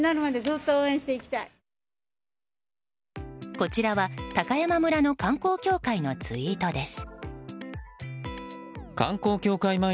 こちらは高山村の観光協会のツイートです。